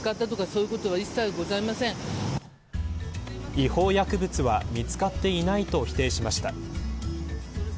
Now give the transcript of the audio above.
違法薬物は見つかっていないと否定しました。